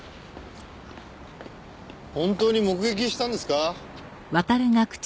本当に目撃したんですか？